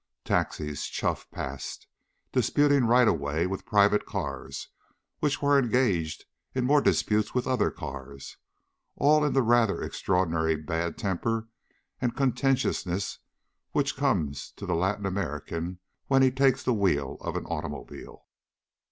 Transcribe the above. Taxis chuffed past, disputing right of way with private cars which were engaged in more disputes with other cars, all in the rather extraordinary bad temper and contentiousness which comes to the Latin American when he takes the wheel of an automobile.